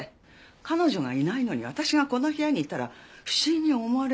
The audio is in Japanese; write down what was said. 彼女がいないのに私がこの部屋にいたら不審に思われる。